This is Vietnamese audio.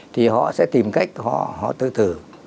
thì họ sẽ tìm cách tự tử